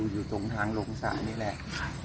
อยู่ตรงทางหลวงศานี้แหละ